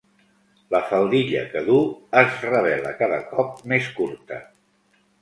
La faldilla que du es revela cada cop més curta.